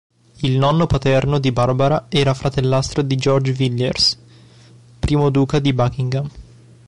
Il nonno paterno di Barbara era fratellastro di George Villiers, I duca di Buckingham.